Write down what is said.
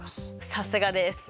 さすがです！